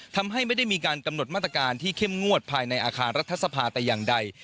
ทำให้ไม่ได้มีการกำหนดมาตรการที่เข้มงวดภายในอาคารรัฐสภาแต่อย่างใด